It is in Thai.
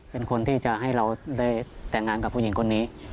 เป็นคนที่จะให้เราได้แต่งงานกับผู้หญิงคนนี้